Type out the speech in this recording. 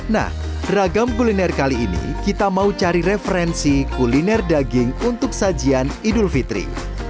nah ragam kuliner kali ini kita mau cari referensi kuliner daging untuk sajian idul fitri